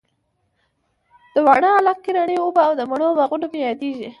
د واڼه علاقې رڼې اوبه او د مڼو باغونه مي ياديږي